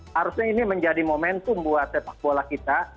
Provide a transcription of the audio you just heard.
harusnya ini menjadi momentum buat sepak bola kita